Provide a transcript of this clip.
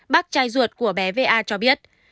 bác trai ruột của bé va cho biết